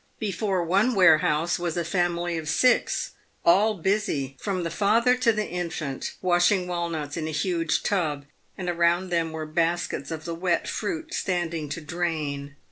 Before one warehouse was a family of six, all busy, from the father to the infant, washing wal nuts in a huge tub, and around them were baskets of the wet fruit standing to drain.